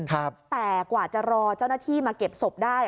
แต่กว่าจะรอเจ้าหน้าที่มาเก็บศพได้